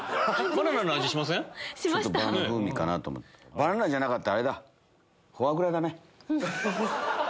バナナじゃなかったらあれだ。